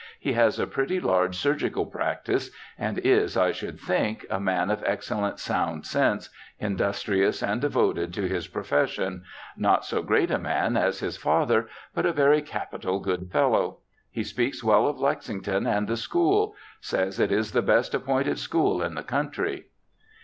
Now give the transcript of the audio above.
He has a pretty large surgical practice, and is, I should think, a man of excellent sound sense, industrious and devoted to his profession — not so great a man as his father, but a very capital good fellow. He speaks well of Lexington and the school— says it is the best appointed school in the country.'